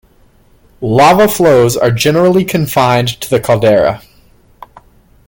Lava flows are generally confined to the caldera.